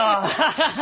ハハハ！